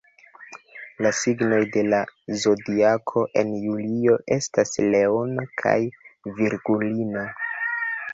La signoj de la Zodiako en julio estas Leono kaj Virgulino.